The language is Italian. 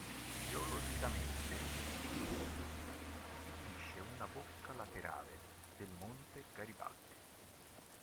Geologicamente, esso costituisce una bocca laterale del monte Garibaldi.